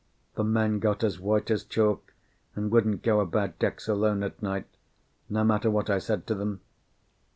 The men got as white as chalk, and wouldn't go about decks alone at night, no matter what I said to them.